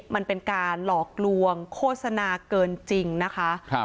มันเป็นการหลอกลวงโฆษณาเกินจริงนะคะ